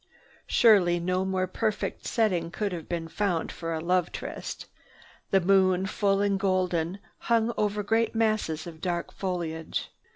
Surely no more perfect setting could have been found for a love tryst. The moon, full and golden, hung over great masses of dark foliage.